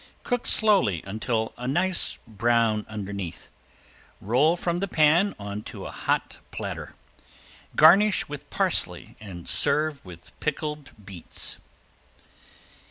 Cook slowly until a nice brown underneath. Roll from the pan on to a hot platter. Garnish with parsley and serve with pickled beets.